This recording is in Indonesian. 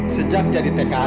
sejak jadi tkp